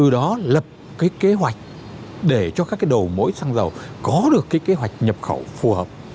đã lập cái kế hoạch để cho các cái đầu mỗi răng dầu có được cái kế hoạch nhập khẩu phù hợp